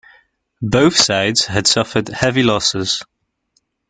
Both sides had suffered heavy losses.